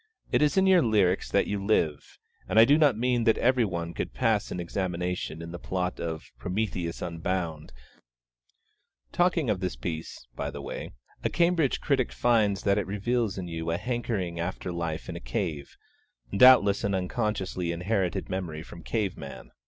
It is in your lyrics that you live, and I do not mean that every one could pass an examination in the plot of "Prometheus Unbound" Talking of this piece, by the way, a Cambridge critic finds that it reveals in you a hankering after life in a cave doubtless an unconsciously inherited memory from cave man.